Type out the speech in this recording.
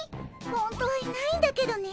本当はいないんだけどね